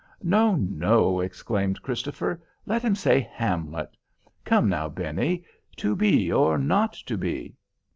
"No, no!" exclaimed Christopher, "let him say Hamlet. Come now, Benny—'To be or not to be.